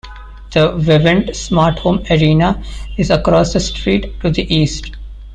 The Vivint Smart Home Arena is across the street to the East.